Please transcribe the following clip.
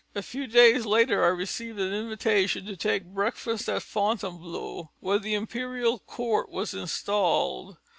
A few days later I received an invitation to take breakfast at Fontainebleau where the Imperial Court was installed.